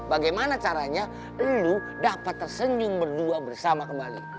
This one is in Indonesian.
bagaimana caranya lu dapat tersenyum berdua bersama kembali